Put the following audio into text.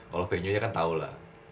kalau venue nya kan tahu lah